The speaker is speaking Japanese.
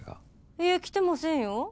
いえ来てませんよ？